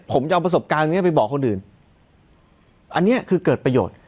ผมจะเอาประสบการณ์เนี้ยไปบอกคนอื่นอันนี้คือเกิดประโยชน์